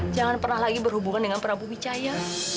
jangan pernah lagi berhubungan dengan prabu wicaya